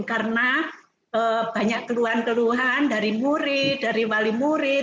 karena banyak keluhan keluhan dari murid dari wali murid